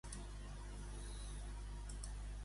Com ha definit l'audiència de l'estat espanyol?